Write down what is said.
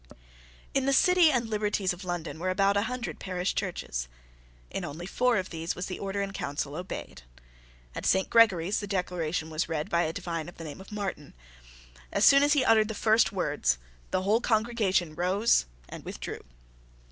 In the City and Liberties of London were about a hundred parish churches. In only four of these was the Order in Council obeyed. At Saint Gregory's the Declaration was read by a divine of the name of Martin. As soon as he uttered the first words, the whole congregation rose and withdrew.